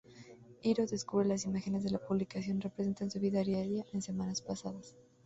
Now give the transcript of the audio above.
Hiro descubre las imágenes de la publicación representan su vida diaria en semanas pasadas.